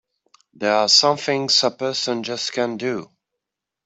There are some things a person just can't do!